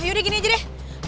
yaudah gini aja deh